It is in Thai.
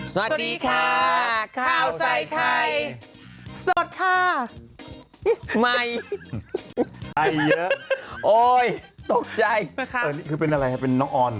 สวัสดีค่ะข้าวใส่ไข่สดค่ะไม่ไอเยอะโอ้ยตกใจเป็นอะไรเป็นน้องอ่อน